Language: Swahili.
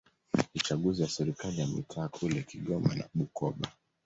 uchaguzi wa serikali za mitaa kule Kigoma na Bukoba